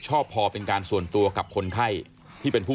ร้องร้องร้องร้องร้อง